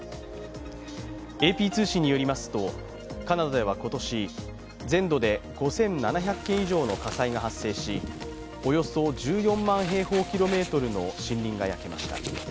ＡＰ通信によりますと、カナダでは今年、全土で５７００件以上の火災が発生しおよそ１４万平方キロメートルの森林が燃えました。